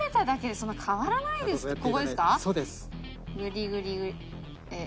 そうです。